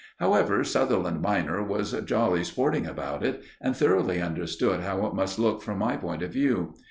However, Sutherland minor was jolly sporting about it, and thoroughly understood how it must look from my point of view.